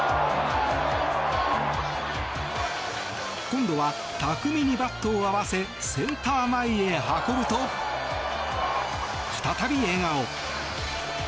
今度は巧みにバットを合わせセンター前へ運ぶと再び笑顔。